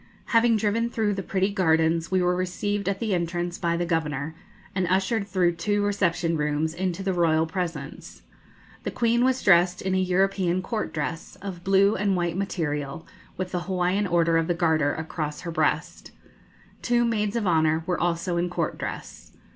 Having driven through the pretty gardens, we were received at the entrance by the Governor, and ushered through two reception rooms into the royal presence. The Queen was dressed in a European court dress, of blue and white material, with the Hawaiian Order of the Garter across her breast. Two maids of honour were also in court dress.